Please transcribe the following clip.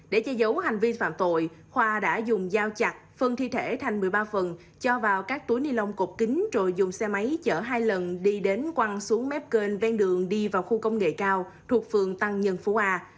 để che giấu hành vi phạm tội khoa đã dùng dao chặt phân thi thể thành một mươi ba phần cho vào các túi ni lông cột kính rồi dùng xe máy chở hai lần đi đến quăng xuống mép kênh ven đường đi vào khu công nghệ cao thuộc phường tăng nhân phú a